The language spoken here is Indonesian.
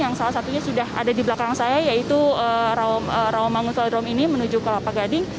yang salah satunya sudah ada di belakang saya yaitu rawamangun velodrome ini menuju kelapa gading